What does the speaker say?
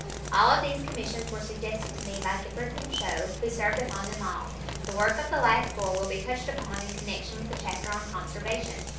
All of these commissions were suggested to me by Gifford Pinchot, who served upon them all. The work of the last four will be touched upon in connection with the chapter on Conservation.